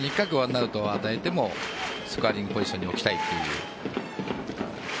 アウトを与えてもスコアリングポジションに置きたいという。